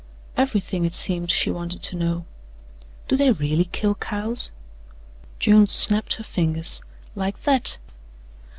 Everything, it seemed, she wanted to know. "Do they really kill cows?" June snapped her fingers: "Like that.